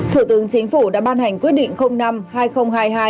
thủ tướng chính phủ đã ban hành quyết định năm hai nghìn hai mươi hai